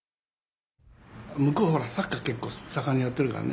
向こうはサッカー結構盛んにやってるからね。